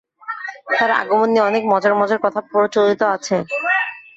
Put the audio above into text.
তার আগমন নিয়ে অনেক মজার মজার কথা প্রচলিত আছে।